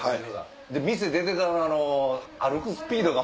店出てから歩くスピードが。